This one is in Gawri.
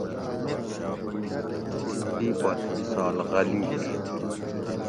تی پت ایسال غلی ھی